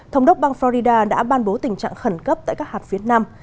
thống đốc bang florida đã ban bố tình trạng khẩn cấp tại các hạt phía nam